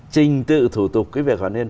trình tự thủ tục cái việc hoàn nguyên